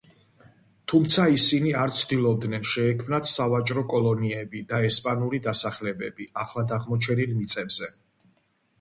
თუმცა ისინი არ ცდილობდნენ შეექმნათ სავაჭრო კოლონიები და ესპანური დასახლებები ახლადაღმოჩენილ მიწებზე.